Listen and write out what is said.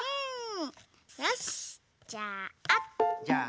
よしじゃあ。